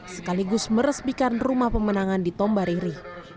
sekaligus merespikan rumah pemenangan di tombariri